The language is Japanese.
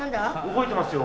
動いてますよ。